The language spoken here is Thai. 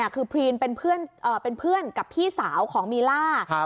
คือพรีนเป็นเพื่อนกับพี่สาวของมีล่า